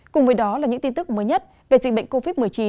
cùng với đó là những tin tức mới nhất về dịch bệnh covid một mươi chín